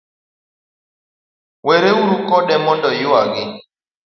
were uru kode mondo oyuagi